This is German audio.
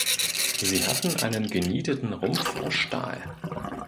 Sie hatten einen genieteten Rumpf aus Stahl.